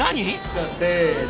じゃあせの。